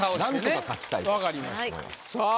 分かりましたさぁ。